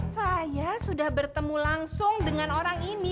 saya sudah bertemu langsung dengan orang ini